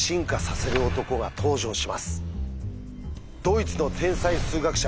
ドイツの天才数学者